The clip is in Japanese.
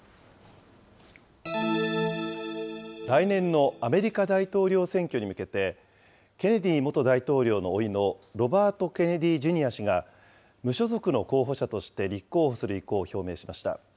来年のアメリカ大統領選挙に向けて、ケネディ元大統領のおいのロバート・ケネディ・ジュニア氏が、無所属の候補者として立候補する意向を表明しました。